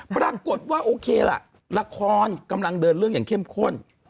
ปรากฏว่าโอเคล่ะละครกำลังเดินเรื่องอย่างเข้มข้น